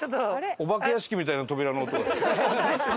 お化け屋敷みたいな扉の音。ですね。